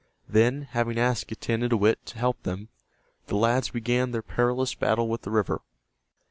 Then, having asked Getanittowit to help them, the lads began their perilous battle with the river.